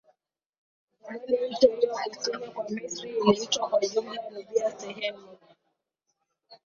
Zamani nchi hiyo kusini kwa Misri iliitwa kwa jumla Nubia sehemu